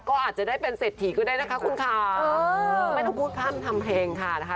ก็อาจจะได้เป็นเศรษฐีก็ได้นะคะคุณค่ะไม่ต้องพูดพร่ำทำเพลงค่ะนะคะ